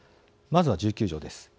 まずは１９条です。